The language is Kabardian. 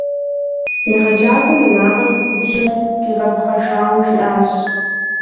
Егъэджакӏуэм и макъыр губжьым къигъэпхъэшауэ жиӏащ.